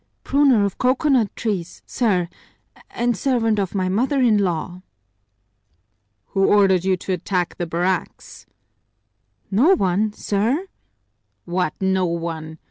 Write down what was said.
"Pruner of coconut trees, sir, and servant of my mother in law." "Who ordered you to attack the barracks?" "No one, sir!" "What, no one?